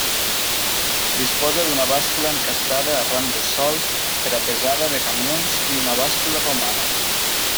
Disposa d'una bàscula encastada arran de sòl per a pesada de camions i una bàscula romana.